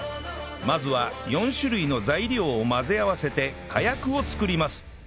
まずは４種類の材料を混ぜ合わせて火薬を作ります